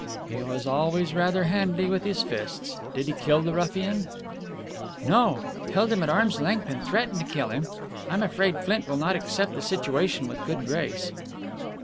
"He was always rather handy with his fists. Did he kill the ruffian?" "No, held him at arm's length and threatened to kill him. I'm afraid Flint will not accept the situation with good grace."